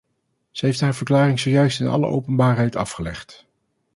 Zij heeft haar verklaring zojuist in alle openbaarheid afgelegd.